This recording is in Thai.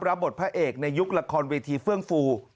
รับบทพระเอกในยุคละครเวทีเฟื่องฟู